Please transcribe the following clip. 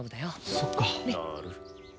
そっか。